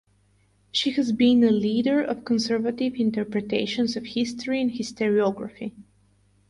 She has been a leader of conservative interpretations of history and historiography.